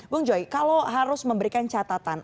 bung joy kalau harus memberikan catatan